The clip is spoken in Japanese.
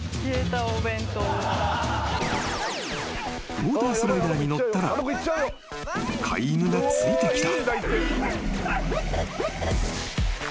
［ウオータースライダーに乗ったら飼い犬がついてきた］